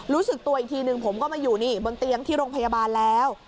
รู้สึกตัวอีกทีหนึ่งผมก็มาอยู่นี่บนเตียงที่โรงพยาบาลแล้ว